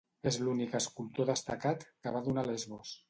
És l'únic escultor destacat que va donar Lesbos.